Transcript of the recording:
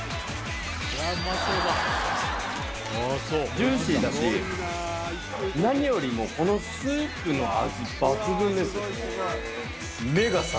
ジューシーだし何よりもこのスープの味抜群です。